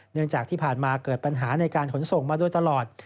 เนื่องจากที่ผ่านมาเกิดปัญหาในการขนส่งมาโดยตลอด